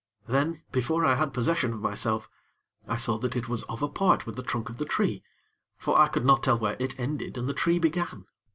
Then, before I had possession of myself, I saw that it was of a part with the trunk of the tree; for I could not tell where it ended and the tree began.